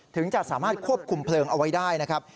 ถึงจะสามารถควบคุมเพลิงเอาไว้ได้นะครับ